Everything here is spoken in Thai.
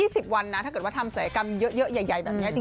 นี่เพิ่ง๒๐วันนะถ้าเกิดว่าทำแสกรรมเยอะใหญ่แบบนี้